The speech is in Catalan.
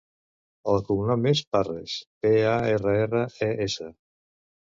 El cognom és Parres: pe, a, erra, erra, e, essa.